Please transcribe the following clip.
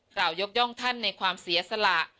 กล่าวยกย่องท่านในความเสียสละ